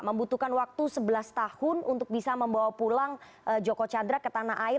membutuhkan waktu sebelas tahun untuk bisa membawa pulang joko chandra ke tanah air